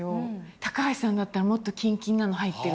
高橋さんだったらもっとキンキンなの入ってる。